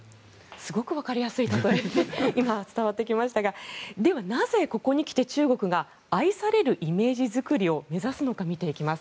すごく分かりやすいたとえが伝わってきましたがでは、なぜここにきて中国が愛されるイメージづくりを目指すのか見ていきます。